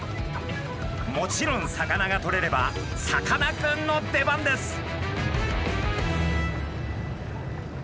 もちろん魚がとれればさかなクンの出番です。